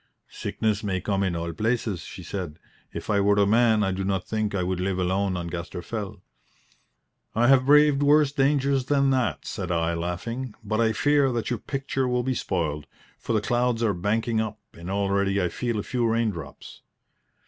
"Sickness may come in all places," said she. "If I were a man I do not think I would live alone on Gaster Fell." "I have braved worse dangers than that," said I, laughing; "but I fear that your picture will be spoiled, for the clouds are banking up, and already I feel a few raindrops."